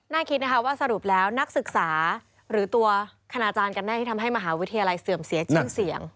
คิดนะคะว่าสรุปแล้วนักศึกษาหรือตัวคณาจารย์กันแน่ที่ทำให้มหาวิทยาลัยเสื่อมเสียชื่อเสียง